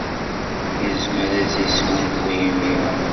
Yezmer ad yesgunfu imir-a.